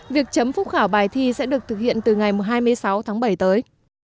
việc chấm phúc khảo bài thi sẽ được thực hiện từ ngày hai mươi sáu tháng bảy tới